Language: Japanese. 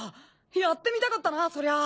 やってみたかったなそりゃ。